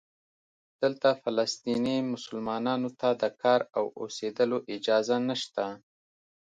دلته فلسطینی مسلمانانو ته د کار او اوسېدلو اجازه نشته.